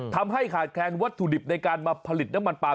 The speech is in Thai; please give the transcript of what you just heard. ทำให้ขาดแคลนวัตถุดิบในการมาผลิตน้ำมันปลาม